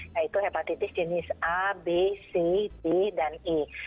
yaitu hepatitis jenis a b c d dan e